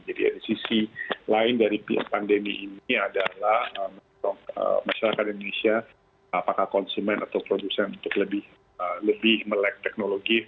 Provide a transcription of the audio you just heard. jadi ada sisi lain dari pandemi ini adalah masyarakat indonesia apakah konsumen atau produsen untuk lebih melek teknologi